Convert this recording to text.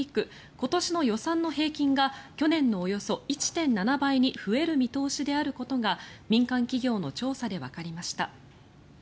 今年の予算の平均が去年のおよそ１．７倍に増える見通しであることが民間企業の調査でわかりました。